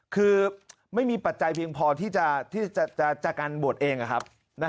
คือไม่มีปัจจัยเพียงพอที่จะการบวชเองนะครับ